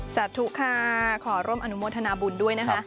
สาธุค่ะขอร่วมอนุโมทนาบุญด้วยนะคะ